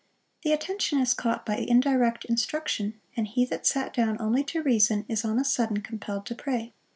The attention is caught by indirect instruction, and he that sat down only to reason, is on a sudden compelled to pray.